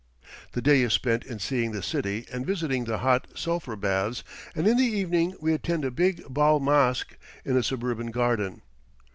The day is spent in seeing the city and visiting the hot sulphur baths and in the evening we attend a big bal masque in a suburban garden.